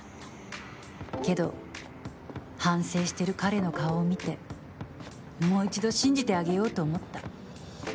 けど、反省してる彼の顔を見てもう一度信じてあげようと思った。